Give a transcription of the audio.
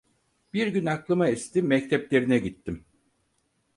Bir gün aklıma esti mekteplerine gittim.